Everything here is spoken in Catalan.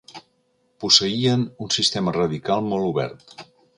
Posseïen un sistema radical molt obert.